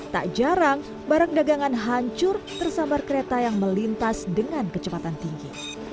tak jarang barang dagangan hancur tersambar kereta yang melintas dengan kecepatan tinggi